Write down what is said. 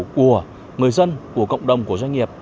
của người dân của cộng đồng của doanh nghiệp